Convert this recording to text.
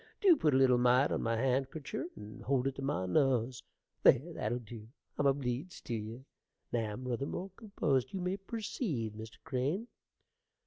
Dew put a little mite on my handkercher and hold it to my nuz. There, that'll dew: I'm obleeged tew ye. Now I'm ruther more composed: you may perceed, Mr. Crane.